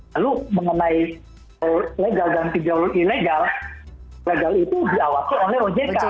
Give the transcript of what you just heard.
lalu mengenai legal dan pinjol ilegal legal itu diawasi oleh ojk